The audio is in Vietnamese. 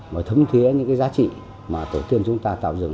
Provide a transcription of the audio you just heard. và thấm thí những cái giá trị mà tổ tiên chúng ta tạo dựng